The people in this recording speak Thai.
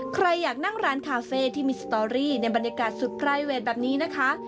ใครอยากนั่งร้านคาเฟ่ที่มีสตอรี่ในบรรยากาศสุดไกลเวทแบบนี้นะคะ